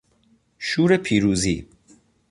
شور پیروزی